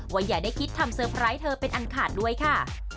อย่าได้คิดทำเตอร์ไพรส์เธอเป็นอันขาดด้วยค่ะ